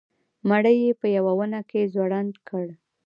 مړی یې په یوه ونه کې ځوړند کړ.